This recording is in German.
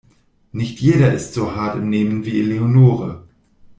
Nicht jeder ist so hart im Nehmen wie Eleonore.